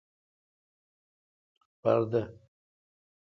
پر دد۔